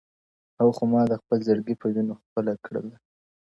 هغه خو ما د خپل زړگي په وينو خپله كړله.!